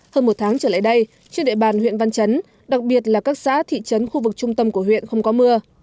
hơn một tháng trở lại đây trên địa bàn huyện văn chấn đặc biệt là các xã thị trấn khu vực trung tâm của huyện không có mưa